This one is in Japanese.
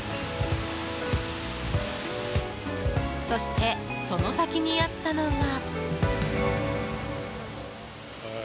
そしてその先にあったのが。